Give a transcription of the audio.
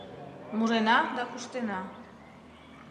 Мурена да куштена